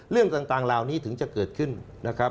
เรื่องต่างเหล่านี้ถึงจะเกิดขึ้นนะครับ